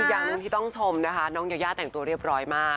ของที่ต้องชมนะคะน้องยาวแต่งตัวเรียบร้อยมาก